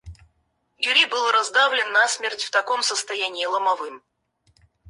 Кюри был раздавлен насмерть в таком состоянии ломовым.